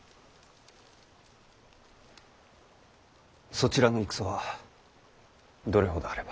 そちらの戦はどれほどあれば。